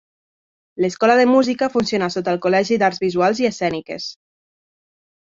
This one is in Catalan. L'Escola de Música funciona sota el Col·legi d'Arts Visuals i Escèniques.